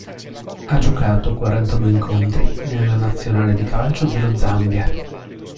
Ha giocato quarantadue incontri nella nazionale di calcio dello Zambia.